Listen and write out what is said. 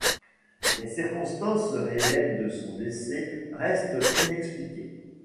Les circonstances réelles de son décès restent inexpliquées.